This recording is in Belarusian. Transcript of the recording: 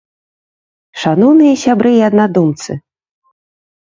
Шаноўныя сябры і аднадумцы!